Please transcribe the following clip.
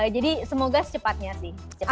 jadi semoga secepatnya sih